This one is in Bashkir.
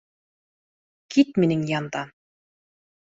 Кит минең яндан